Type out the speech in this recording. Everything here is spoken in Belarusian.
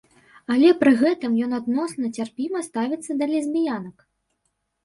Але пры гэтым ён адносна цярпіма ставіцца да лесбіянак.